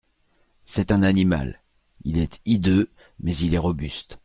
C'est un animal, il est hideux, mais il est robuste.